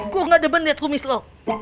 gue nggak demen liat rumis lo